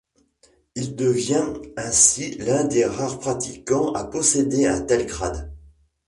Il devient ainsi l'un des rares pratiquants à posséder un tel grade.